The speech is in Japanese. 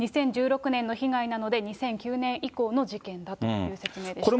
２０１６年の被害なので、２００９年以降の事件だという説明でした。